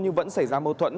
nhưng vẫn xảy ra mâu thuẫn